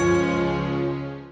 rena kan ada